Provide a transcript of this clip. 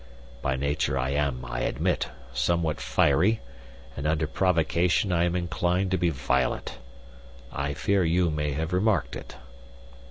By nature I am, I admit, somewhat fiery, and under provocation I am inclined to be violent. I fear you may have remarked it."